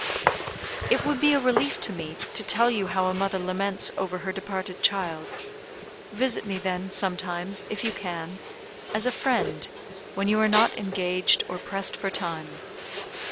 "It would be a relief to me to tell you how a mother laments over her departed child. Visit me, then, sometimes, if you can, as a friend, when you are not engaged or pressed for time.